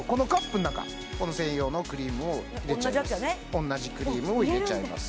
おんなじクリームを入れちゃいます